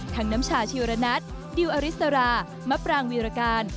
ทั้งน้ำชาชิวระนัทดิวอาริสรามะปรางวิราการ